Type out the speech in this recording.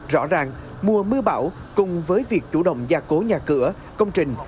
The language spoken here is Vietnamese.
rõ ràng mùa mưa bão cùng với việc chủ động gia cố nhà cửa công trình